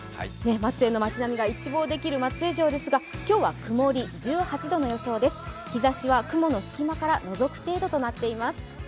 松江の町並みが一望できる松江城なんですが雲がかかっていて日ざしは雲の隙間からのぞく程度となっています。